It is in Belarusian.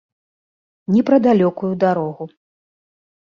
Ні пра далёкую дарогу.